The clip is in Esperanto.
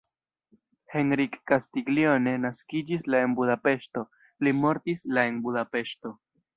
Henrik Castiglione naskiĝis la en Budapeŝto, li mortis la en Budapeŝto.